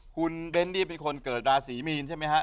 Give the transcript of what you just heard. คุณเบนนี่เป็นคนเกิดราศีมีนใช่ไหมฮะ